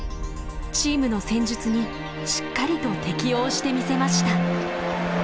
チームの戦術にしっかりと適応してみせました。